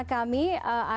ada pak rimawan